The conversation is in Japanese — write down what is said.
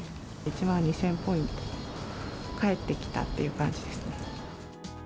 １万２０００ポイント返ってきたっていう感じですね。